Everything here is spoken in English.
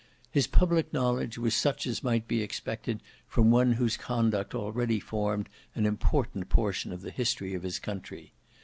His public knowledge was such as might be expected from one whose conduct already formed an important portion of the history of his country.